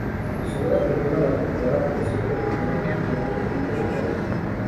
Su boda conlleva la retirada por cierto periodo de tiempo del mundo del baile.